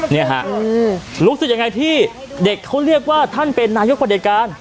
เนี่ยฮะรู้สึกยังไงที่เด็กเขาเรียกว่าท่านเป็นนายกประเด็จการ